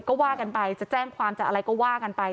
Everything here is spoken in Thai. ก็ว่ากันไปจะแจ้งความจะอะไรก็ว่ากันไป